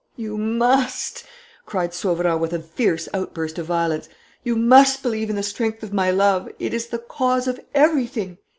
"You must!" cried Sauverand, with a fierce outburst of violence. "You must believe in the strength of my love. It is the cause of everything.